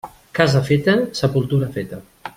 Casa feta, sepultura feta.